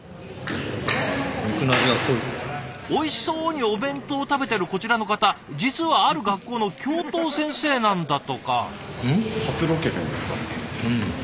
おいしそうにお弁当を食べてるこちらの方実はある学校の教頭先生なんだとか。